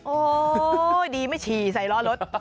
โอ้โหดีไม่ฉี่ใส่ล้อรถ